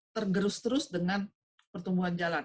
tergerus terus dengan pertumbuhan jalan